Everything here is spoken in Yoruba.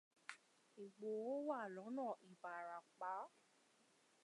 Ìgbòho wà lọ́nà IÌbàràpá.